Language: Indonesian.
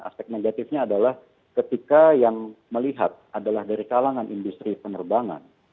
aspek negatifnya adalah ketika yang melihat adalah dari kalangan industri penerbangan